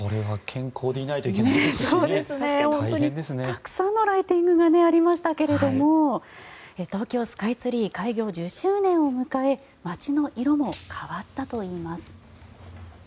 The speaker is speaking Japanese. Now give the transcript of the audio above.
たくさんのライティングがありましたけれども東京スカイツリー開業１０周年を迎え街の色も変わったといいます。